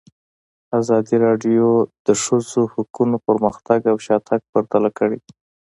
ازادي راډیو د د ښځو حقونه پرمختګ او شاتګ پرتله کړی.